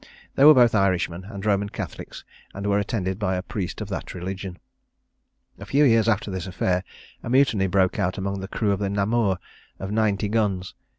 They were both Irishmen, and Roman Catholics, and were attended by a priest of that religion. A few years after this affair a mutiny broke out among the crew of the Namur, of ninety guns.